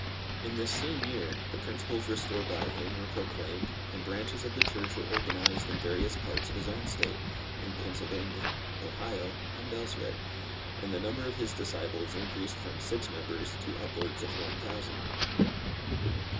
In this same year, the principles restored by him were proclaimed, and Branches of the Church were organized in various parts of his own State, in Pennsylvania, Ohio, and elsewhere; and the number of his disciples increased from six members, to upwards of one thousand.